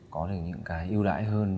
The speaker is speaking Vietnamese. có được những cái ưu đãi hơn